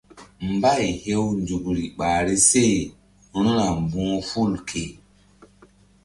Mbay hew nzukri ɓahri seru̧na mbu̧h ful ke.